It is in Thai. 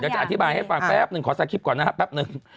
เดี๋ยวจะอธิบายให้ฟังแป๊บนึงขอไซค์คลิปก่อนนะครับ